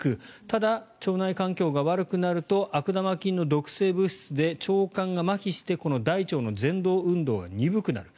ただ、腸内環境が悪くなると悪玉菌の毒性物質で腸管がまひして大腸のぜん動運動が鈍くなる。